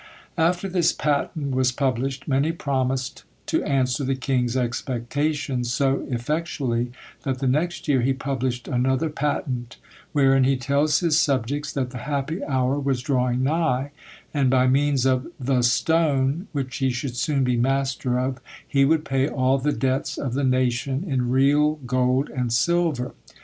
After this patent was published, many promised to answer the king's expectations so effectually, that the next year he published another patent; wherein he tells his subjects, that the happy hour was drawing nigh, and by means of THE STONE, which he should soon be master of, he would pay all the debts of the nation in real gold and silver.